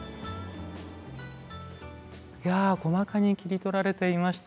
いや細かに切り取られていました。